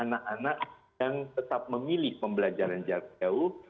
anak anak yang tetap memilih pembelajaran jarak jauh